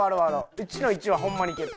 １−１はホンマにいける。